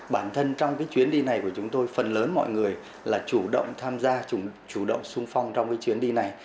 bản thân trong cái chuyến đi này của chúng tôi phần lớn mọi người là chủ động tham gia chủ động sung phong trong cái chuyến đi này